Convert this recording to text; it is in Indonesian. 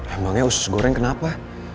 emangnya usus goreng kenapa